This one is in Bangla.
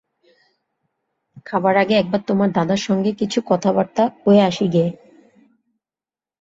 খাবার আগে একবার তোমার দাদার সঙ্গে কিছু কথাবার্তা কয়ে আসি গে।